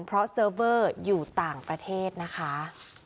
เพราะเซิร์ฟเวอร์อยู่ต่างประเทศนะคะ